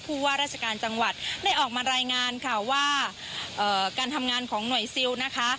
ว่าราชการจังหวัดได้ออกมารายงานค่ะว่าการทำงานของหน่วยซิลนะคะ